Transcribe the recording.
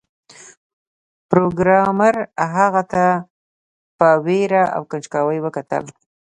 پروګرامر هغه ته په ویره او کنجکاوی وکتل